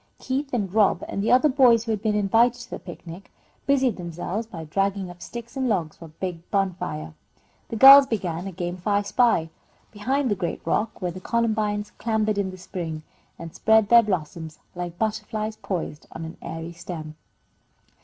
Keith and Rob, and the other boys who had been invited to the picnic, busied themselves by dragging up sticks and logs for a big bonfire. The girls began a game of "I spy" behind the great rock where the columbines clambered in the spring, and spread their blossoms like butterflies poised on an airy stem.